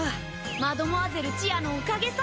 マドモアゼルちあのおかげさ！